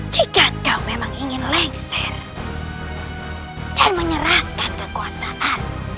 jika kau memang ingin lengser dan menyerahkan kekuasaan